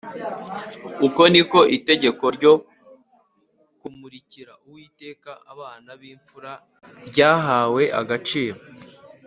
Uko niko itegeko ryo kumurikira Uwiteka abana b’imfura ryahawe agaciro